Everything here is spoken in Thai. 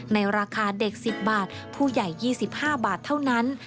ในราคาเด็ก๑๐บาทผู้ใหญ่๒๕บาทเท่านั้น